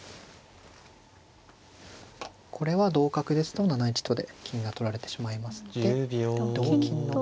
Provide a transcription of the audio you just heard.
これは同角ですと７一とで金が取られてしまいますので同金の。